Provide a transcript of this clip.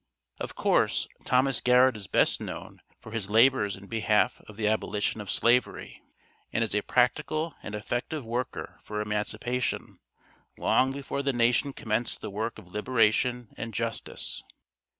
Of course, Thomas Garrett is best known for his labors in behalf of the abolition of Slavery, and as a practical and effective worker for emancipation long before the nation commenced the work of liberation and justice.